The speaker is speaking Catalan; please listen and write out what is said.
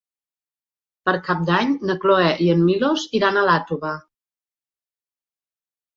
Per Cap d'Any na Cloè i en Milos iran a Iàtova.